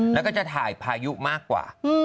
แล้วก็จะถ่ายพายุมากกว่า